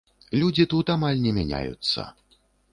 Людзі тут амаль не мяняюцца.